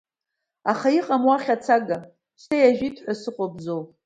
Аха иҟам уахь ацага, шьҭа иажәит ҳәа сыҟоуп Бзоу.